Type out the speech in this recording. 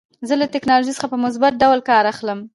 زه له ټکنالوژۍ څخه په مثبت ډول کار اخلم.